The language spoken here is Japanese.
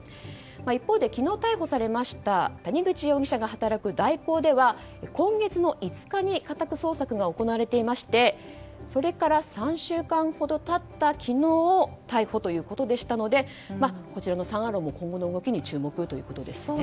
一方で昨日逮捕されました谷口容疑者が働く大広では、今月５日に家宅捜索が行われていてそれから３週間ほど経った昨日逮捕ということでしたのでこちらのサン・アローも今後の動きに注目ということですね。